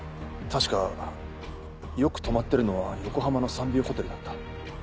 確かよく泊まってるのは横浜のサンビューホテルだった。